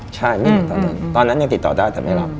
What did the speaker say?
ใช่ไม่มีตอนนั้นตอนนั้นยังติดต่อได้แต่ไม่รับ